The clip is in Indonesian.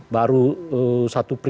baru satu kali